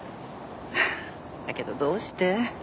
だけどどうして？